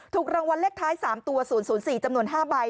ถูกรางวัลเลขท้าย๓ตัว๐๐๔จำนวน๕ใบ